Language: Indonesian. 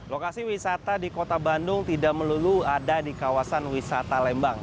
lokasi wisata di kota bandung tidak melulu ada di kawasan wisata lembang